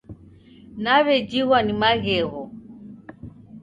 Nawejighwa ni maghegho